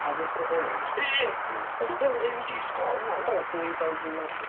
こういう感じになって。